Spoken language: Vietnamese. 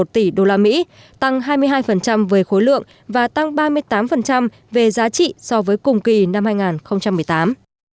tỉ đô la mỹ tăng hai mươi hai về khối lượng và tăng ba mươi tám về giá trị so với cùng kỳ năm hai nghìn một mươi tám